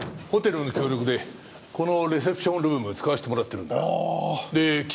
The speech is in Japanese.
ホテルの協力でこのレセプションルーム使わせてもらってるんだ。